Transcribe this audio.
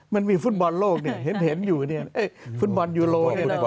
มันมีฟุตบอลโลกเห็นอยู่ฟุตบอลยูโล